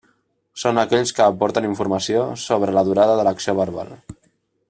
Són aquells que aporten informació sobre la durada de l'acció verbal.